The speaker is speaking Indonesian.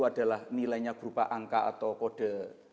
adalah nilainya berupa angka atau kode